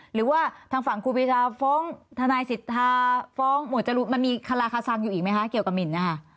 หรือว่าทางฝั่งครูปีชาฟ้องทนายสิทธาฟ้องหมวดจรูนมันมีคาราคาซังอยู่อีกไหมคะเกี่ยวกับหมินนะคะ